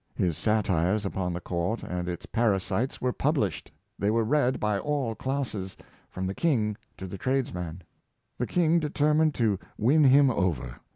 His satires upon the court and its parasites were published. They were read by all classes, from the king to the tradesman. The king determined to win him over.